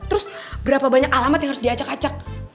terus berapa banyak alamat yang harus diacak acak